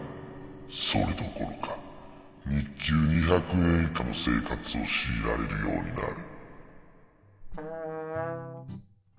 それどころか日給２００円以下の生活を強いられるようになる。